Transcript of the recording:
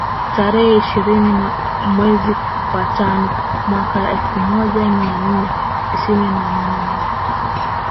Tarehe ishirini mwezi wa tano mwaka elfu moja mia nne tisini na nane